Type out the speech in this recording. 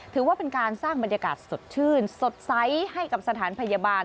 ถือว่าเป็นการสร้างบรรยากาศสดชื่นสดใสให้กับสถานพยาบาล